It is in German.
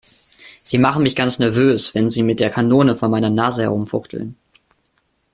Sie machen mich ganz nervös, wenn Sie mit der Kanone vor meiner Nase herumfuchteln.